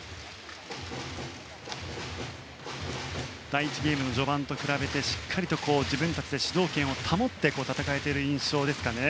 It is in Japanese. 第１ゲームの序盤と比べてしっかりと自分たちで主導権を保って戦えている印象ですかね。